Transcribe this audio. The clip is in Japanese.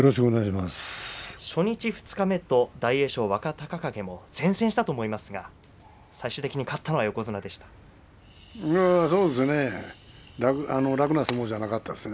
初日、二日目と大栄翔、若隆景も善戦したと思いますが最終的に勝ったのは横綱でした。